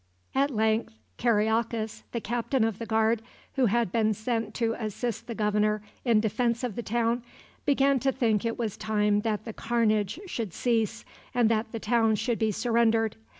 At length Kariakas, the captain of the guard, who had been sent to assist the governor in the defense of the town, began to think it was time that the carnage should cease and that the town should be surrendered.